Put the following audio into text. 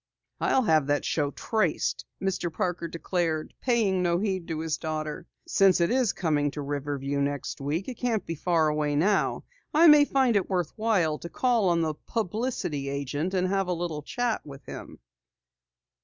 "I'll have that show traced," Mr. Parker declared, paying no heed to his daughter. "Since it is coming to Riverview next week it can't be far away now. I may find it worth while to call on the publicity agent and have a little chat with him."